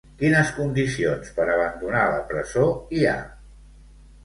Quines condicions per abandonar la presó hi ha?